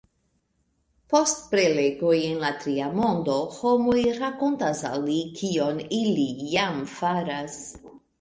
Post prelegoj en la Tria Mondo homoj rakontas al li kion ili jam faras!